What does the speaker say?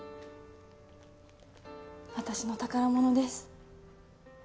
私の宝物です。